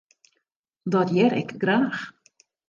Dat hear ik graach.